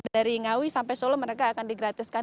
dari ngawi sampai solo mereka akan digratiskan